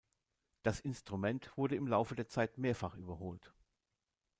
Das Instrument wurde im Laufe der Zeit mehrfach überholt.